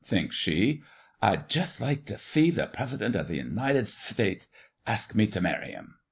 thinks she, "I'd jutht like t' thee the Prethident o' the United Thtateth athk me t' marry him."